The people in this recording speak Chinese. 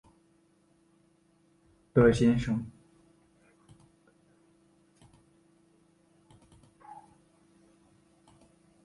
德先生